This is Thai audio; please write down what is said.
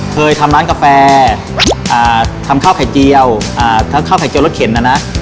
เคยทำร้านกาแฟทำข้าวไข่เจียวข้าวไข่เจียวรถเข็นนะนะ